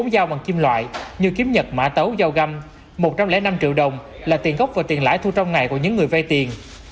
bốn giao bằng kim loại như kiếm nhật mã tấu giao găm một trăm linh năm triệu đồng là tiền gốc và tiền lãi thu trong ngày của những người vay tiền